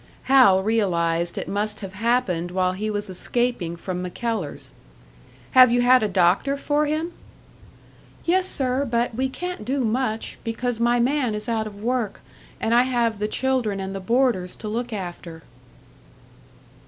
Hal realised it must have happened while he was escaping from MacKellar's. "Have you had a doctor for him?" "Yes, sir; but we can't do much, because my man is out of work, and I have the children and the boarders to look after."